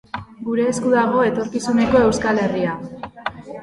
Gure esku dago etorkizuneko Euskal Herria.